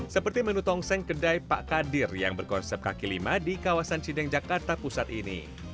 seperti menu tongseng kedai pak kadir yang berkonsep kaki lima di kawasan cideng jakarta pusat ini